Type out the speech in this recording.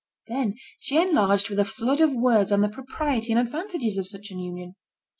Then she enlarged with a flood of words on the propriety and advantages of such an union.